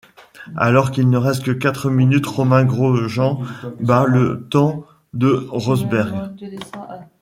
Alors qu'il ne reste que quatre minutes, Romain Grosjean bat le temps de Rosberg.